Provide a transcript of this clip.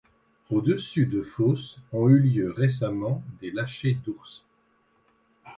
Au-dessus de Fos, ont eu lieu récemment des lâchers d'ours.